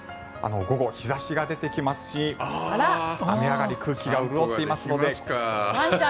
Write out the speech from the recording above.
午後、日差しが出てきますし雨上がり空気が潤っていますので。